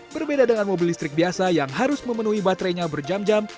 berbeda dengan mobil listrik biasa yang harus memenuhi baterainya berjam jam